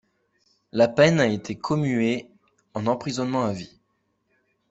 La peine a été commuée en emprisonnement à vie.